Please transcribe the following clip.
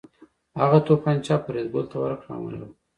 هغه توپانچه فریدګل ته ورکړه او امر یې وکړ